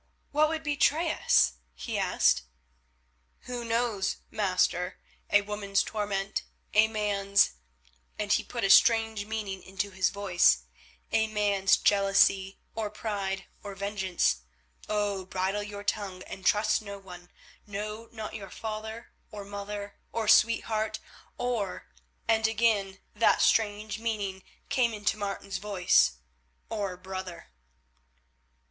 "What would betray us?" he asked. "Who knows, master? A woman's torment, a man's—" and he put a strange meaning into his voice, "a man's—jealousy, or pride, or vengeance. Oh! bridle your tongue and trust no one, no, not your father or mother, or sweetheart, or—" and again that strange meaning came into Martin's voice, "or brother."